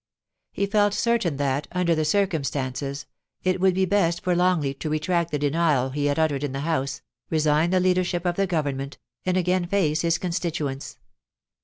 He felt certain that, under the circumstances, it would be best for Longleat to retract the denial he had uttered in the House, resign the leadership of the Government, and again face his constituents.